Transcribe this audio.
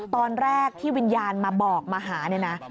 ตอนแรกที่วิญญาณมาบอกมาหาเนี่ยนะ